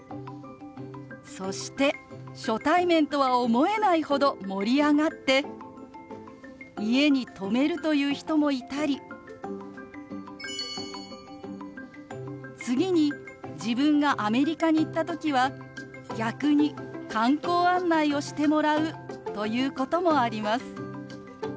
そして初対面とは思えないほど盛り上がって家に泊めるという人もいたり次に自分がアメリカに行った時は逆に観光案内をしてもらうということもあります。